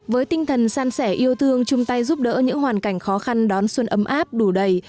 với tinh thần san sẻ yêu thương chung tay giúp đỡ những hoàn cảnh khó khăn đón xuân ấm áp đủ đầy